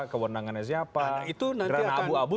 kewandangannya siapa rana abu abu